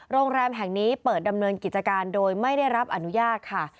โรงแรมแห่งนี้เปิดดำเนินกิจการโดยไม่ได้รับอนุญาตค่ะ